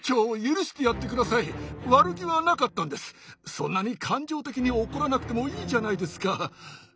そんなに感情的に怒らなくてもいいじゃないですか。